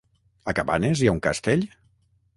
A Cabanes hi ha un castell?